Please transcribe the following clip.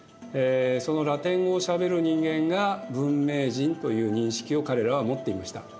そのラテン語をしゃべる人間が文明人という認識を彼らは持っていました。